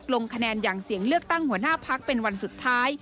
ลงคะแนนอย่างเสียงเลือกตั้งหัวหน้าพักเป็นวันสุดท้าย